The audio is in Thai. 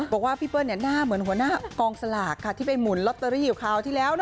บอกว่าพี่เปิ้ลหน้าเหมือนหัวหน้ากองสลากค่ะที่ไปหมุนลอตเตอรี่อยู่คราวที่แล้วนะ